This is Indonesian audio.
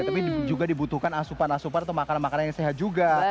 tapi juga dibutuhkan asupan asupan atau makanan makanan yang sehat juga